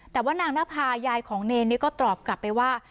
แต่ว่านางนภายายของเนรก็ตอบกลับไปว่า